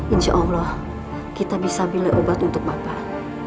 insya allah kita bisa beli obat untuk bapak